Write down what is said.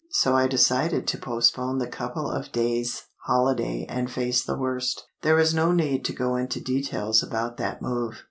So I decided to postpone the couple of days' holiday and face the worst. There is no need to go into details about that move.